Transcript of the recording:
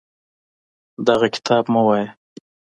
دغه کتاب مه وایه.